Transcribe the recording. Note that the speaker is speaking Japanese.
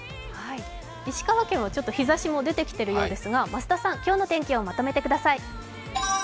石川県はちょっと日ざしも出てきているようですが増田さん、今日の天気をまとめてください。